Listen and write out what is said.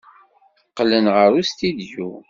Qqlen ɣer ustidyu.